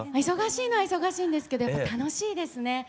忙しいのは忙しいんですけどやっぱ楽しいですね。